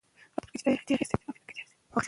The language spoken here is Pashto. چي مورنۍ ژبه ژوندۍ وي، ملي تاریخ نه هېرېږي.